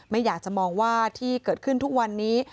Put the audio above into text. ไม่อยากจะมองว่าที่เกิดขึ้นทุกวันนี้